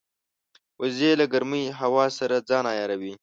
وزې له ګرمې هوا سره ځان عیاروي